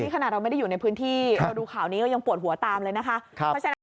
ขนาดเราไม่ได้อยู่ในพื้นที่เราดูข่าวนี้ก็ยังปวดหัวตามเลยนะคะ